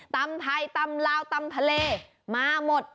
ตำไทยตำลาวตำทะเลมาหมด